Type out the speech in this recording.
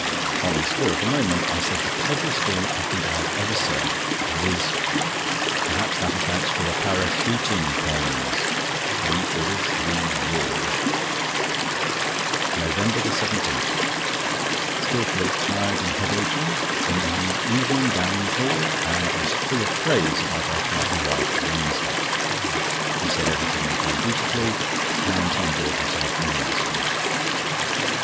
On the spur of the moment I said the cleverest thing I think I have ever said; viz.: "Perhaps that accounts for the para_shooting_ pains." We roared. NOVEMBER 17.—Still feel tired and headachy! In the evening Gowing called, and was full of praise about our party last Wednesday. He said everything was done beautifully, and he enjoyed himself enormously.